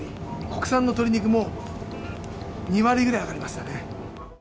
国産の鶏肉も２割ぐらい上がりましたね。